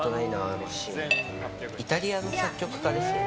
イタリアの作曲家ですよね。